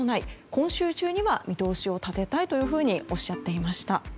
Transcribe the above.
今週中には見通しを立てたいとおっしゃっていました。